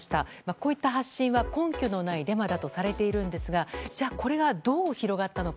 こういった発信は根拠のないデマだとされているんですがこれがどう広がったのか。